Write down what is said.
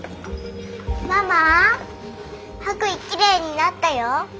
ママ白衣きれいになったよ。